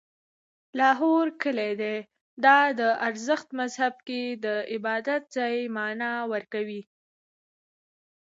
لاهور کلی دی، دا د زرتښت مذهب کې د عبادت ځای معنا ورکوي